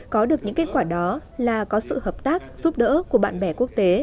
có được những kết quả đó là có sự hợp tác giúp đỡ của bạn bè quốc tế